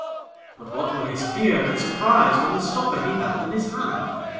_] But what were his fear and surprise When the stopper he held in his hand!